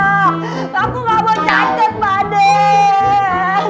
aku nggak mau catat padeh